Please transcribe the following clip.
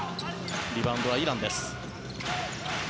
リバウンドはイランです。